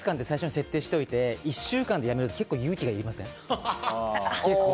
設定していて１週間でやめるのって勇気がいりません？